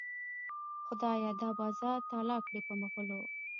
خدایه دا بازار تالا کړې په مغلو.